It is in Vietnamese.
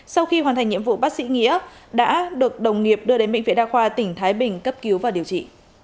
sau khi hoàn thành nhiệm vụ bác sĩ nghĩa đã được đồng nghiệp đưa đến bệnh viện đa khoa tỉnh thái bình cấp cứu và điều trị